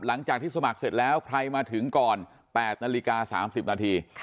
หลังจากที่สมัครเสร็จแล้วใครมาถึงก่อน๘นาฬิกา๓๐นาที